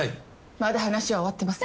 まだ話は終わってません。